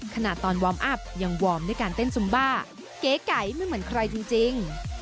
ขณะตอนวอร์มอัพยังวอร์มด้วยการเต้นซุมบ้าเก๋ไก่ไม่เหมือนใครจริง